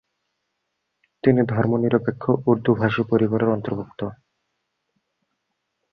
তিনি ধর্মনিরপেক্ষ উর্দুভাষী পরিবারের অন্তর্ভুক্ত।